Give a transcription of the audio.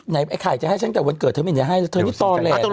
ไอ้ไข่จะให้ฉันแต่วันเกิดเธอไม่อยากให้เธอนี่ตอนแรกนะ